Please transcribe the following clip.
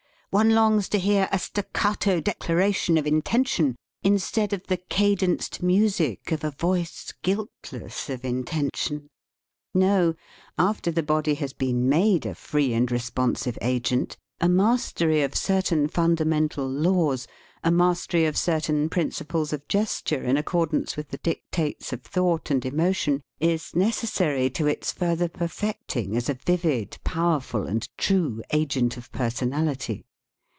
One longs to hear a staccato declaration of intention, instead of the cadenced music of a voice guiltless of intention. No! after the body has been made a free and responsive agent, a mas tery of certain fundamental laws, a mastery 35 THE SPEAKING VOICE of certain principles of gesture in accordance with the dictates of thought and emotion is necessary to its further perfecting as a vivid, powerful, and true agent of personality.